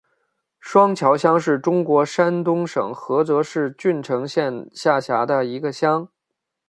双桥乡是中国山东省菏泽市郓城县下辖的一个乡。